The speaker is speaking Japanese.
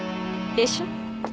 でしょ？